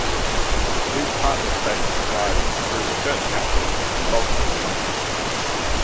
These partner states provide, through Research Councils, the bulk of its funding.